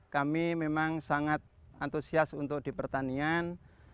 kami memang sangat antusias untuk di pertanian